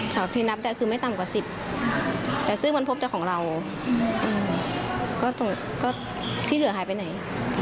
ที่นับได้คือไม่ต่ำกว่า๑๐แต่ซึ่งมันพบเจ้าของเราก็ที่เหลือหายไปไหน